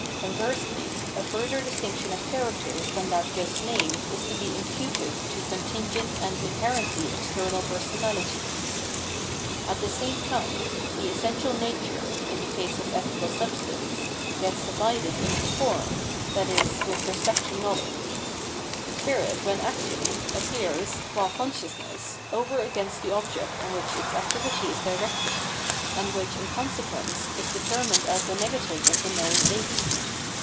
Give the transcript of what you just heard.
Conversely, a further distinction of characters than that just named is to be imputed to contingent and ioherently external personahty. At the same time, the essential nature [in the case of 748 Phenomenology of Mind ethical substance] gets divided in its form, i.e. with re spect to knowledge. Spirit wben acting, appears, qua consciousness, over against tbe object on which its activity is directed, and which, in consequence, is deter mined as the negative of the knowing agent.